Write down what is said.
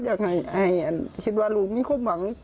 อยากให้อันคิดว่าลูกมีความหวัง